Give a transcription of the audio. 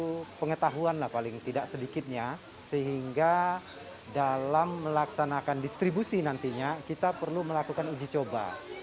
nah karena ini stb ini memerlukan suatu pengetahuan lah paling tidak sedikitnya sehingga dalam melaksanakan distribusi nantinya kita perlu melakukan ujicoba